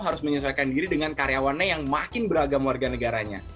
harus menyesuaikan diri dengan karyawannya yang makin beragam warga negaranya